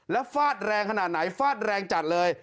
แล้วฟาดแรงขนาดไหนฟาดแรงจัดเลย